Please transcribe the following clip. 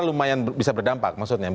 lumayan bisa berdampak maksudnya